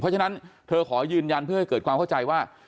เพราะฉะนั้นเธอขอยืนยันเพื่อให้เกิดความเข้าใจว่า